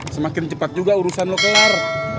semakin cepat juga urusan lo kelar